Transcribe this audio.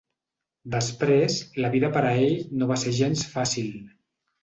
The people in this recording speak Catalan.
Després, la vida per a ell no va ser gens fàcil.